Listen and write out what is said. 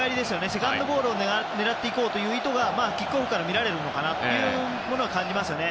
セカンドボールを狙っていこうという意図がキックオフから見られるのかなというものは感じますよね。